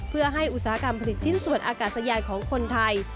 เพื่อให้อุตสาหกรรมผลิตชิ้นส่วนอากาศยานของคนไทย